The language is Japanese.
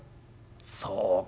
そうか。